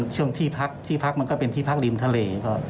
ช่วงที่พักที่พักมันก็เป็นที่พักริมทะเล